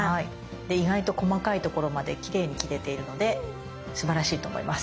で意外と細かいところまできれいに切れているのですばらしいと思います。